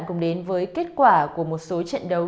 cùng đến với kết quả của một số trận đấu